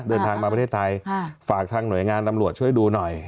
เดินทางมาประเทศไทยฝากทางหน่วยงานตำรวจช่วยดูหน่อย